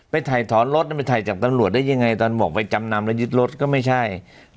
ไปไถถอนรถไปไถจากตังลวตได้อย่างไรตอนบอกไปจำนำและยึดรถก็ไม่ใช่